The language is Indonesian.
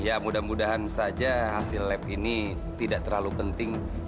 ya mudah mudahan saja hasil lab ini tidak terlalu penting